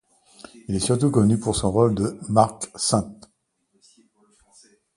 Il est surtout connu pour son rôle de Marc St.